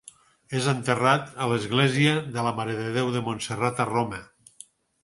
És enterrat a l'Església de la Mare de Déu de Montserrat a Roma.